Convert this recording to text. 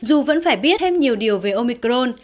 dù vẫn phải biết thêm nhiều điều về omicron